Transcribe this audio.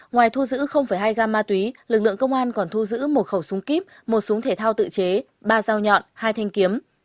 ngoài thu giữ hai gam ma túy lực lượng công an còn thu giữ một khẩu súng kíp một súng thể thao tự chế ba dao nhọn hai thanh kiếm